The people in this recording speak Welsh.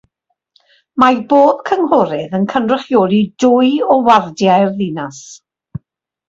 Mae bob cynghorydd yn cynrychioli dwy o wardiau'r ddinas.